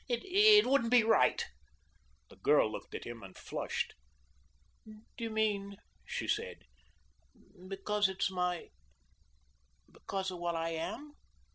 "It wouldn't be right." The girl looked at him and flushed. "Do you mean," she said, "because it's my because of what I am?"